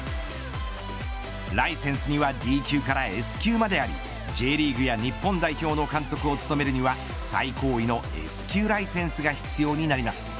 ライセンスにはＤ級からＳ級までありＪリーグや日本代表の監督を務めるには最高位のＳ級ライセンスが必要になります。